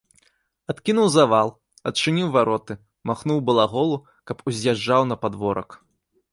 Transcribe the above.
Адкінуў завал, адчыніў вароты, махнуў балаголу, каб уз'язджаў на падворак.